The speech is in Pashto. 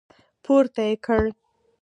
پورته يې کړ.